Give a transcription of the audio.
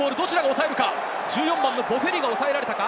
１４番のボフェリが抑えられたか？